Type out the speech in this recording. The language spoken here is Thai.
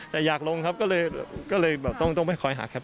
แต่อยากลงครับ